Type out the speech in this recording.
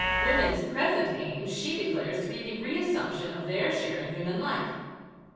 Women's present aim she declares to be the "reassumption of their share in human life."